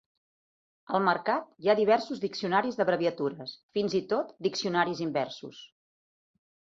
Al mercat hi ha diversos diccionaris d'abreviatures, fins i tot diccionaris inversos.